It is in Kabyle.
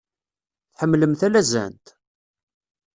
Tḥemmlem talazant?